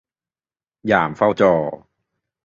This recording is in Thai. ยามเฝ้าจอ